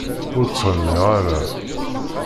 Ur ttɣenniɣ ara.